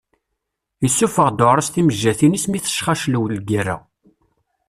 Yessuffeɣ-d uɛarus timejjatin-is mi d-tecxaclew lgerra.